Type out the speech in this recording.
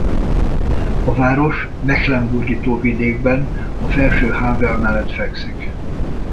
A város Mecklenburgi tóvidékben a felső Havel mellett fekszik.